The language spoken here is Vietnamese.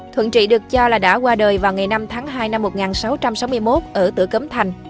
thuận trị được cho là đã qua đời vào ngày năm tháng hai năm một nghìn sáu trăm sáu mươi một ở tửa cấm thành